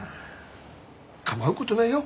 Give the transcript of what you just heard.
構うことないよ。